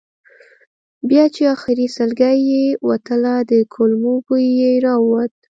بیا چې آخري سلګۍ یې وتله د کولمو بوی یې راووت.